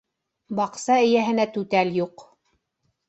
Баҡса эйәһенә түтәл юҡ.